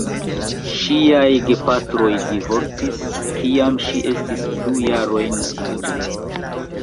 Ŝiaj gepatroj divorcis, kiam ŝi estis du jarojn aĝa.